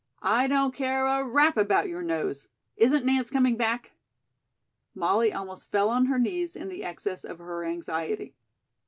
I don't care a rap about your nose. Isn't Nance coming back?" Molly almost fell on her knees in the excess of her anxiety.